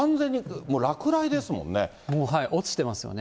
落ちてますよね。